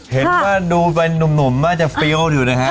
เห็นว่าดูเป็นหนุ่มมักจะฟิลด์อยู่นะครับ